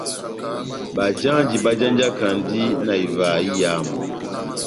Bajanji bájanjakandi na ivaha iyamu.